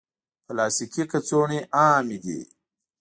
پلاستيکي کڅوړې عامې دي.